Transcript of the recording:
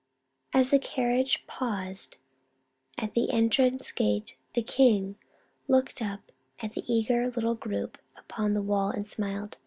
As the carriage paused at the entrance gate, the king looked up at the eager little group upon the wall and smiled.